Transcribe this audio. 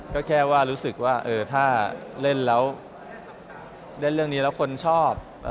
ก็แค่ว่ารู้สึกว่าถ้าเล่นแล้วเล่นเรื่องนี้แล้วคนชอบ